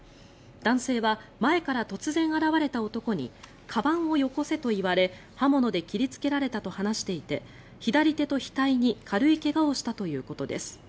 男性は前から突然現れた男にかばんをよこせと言われ刃物で切りつけられたと話していて左手と額に軽い怪我をしたということです。